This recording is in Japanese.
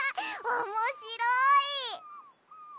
おもしろい！